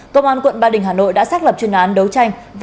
công an quận ba đình hà nội đã xác lập chuyên án đấu tranh